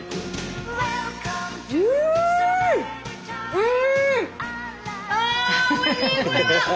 うん！